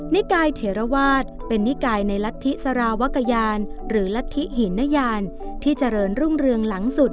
นิกายเถระวาสเป็นนิกายในรัฐธิสารวกยานหรือลัทธิหินยานที่เจริญรุ่งเรืองหลังสุด